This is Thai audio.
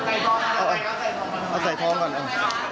เอาใส่ท้องก่อนเลย